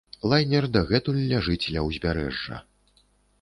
Лайнер дагэтуль ляжыць ля ўзбярэжжа.